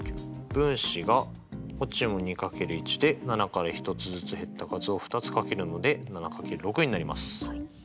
分子がこっちも２×１で７から１つずつ減った数を２つ掛けるので７×６になります。